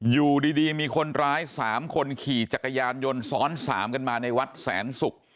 อยู่ดีมีคนร้าย๓คนขี่จักรยานยนต์ซ้อน๓กันมาในวัดแสนศุกร์